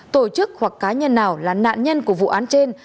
tổ chức hoặc cá nhân nào là nạn nhân của vụ án trên